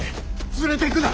連れていくな！